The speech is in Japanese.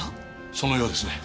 そのようですね。